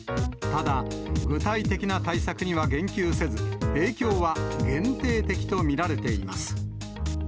ただ、具体的な対策には言及せず、影響は限定的と見られています。